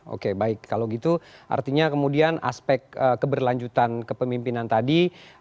oke baik kalau gitu artinya kemudian aspek keberlanjutan kepemimpinan tadi